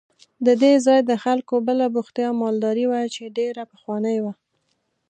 د دې ځای د خلکو بله بوختیا مالداري وه چې ډېره پخوانۍ وه.